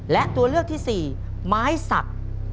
และตัวเลือกที่๔ไม้สัก